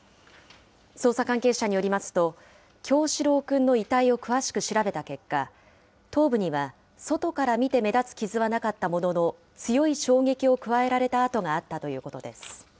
捜査関係者によりますと、叶志郎くんの遺体を詳しく調べた結果、頭部には、外から見て目立つ傷はなかったものの強い衝撃を加えられた痕があったということです。